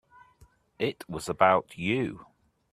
It was about you.